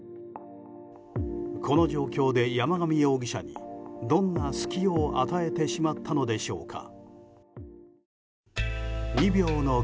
この状況で山上容疑者にどんな隙を与えてしまったのでしょうか。